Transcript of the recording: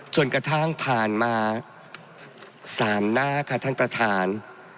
จนกระทั่งผ่านมา๓หน้าค่ะท่านประธาน